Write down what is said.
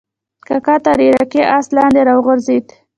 کاکا تر عراقي آس لاندې راوغورځېد.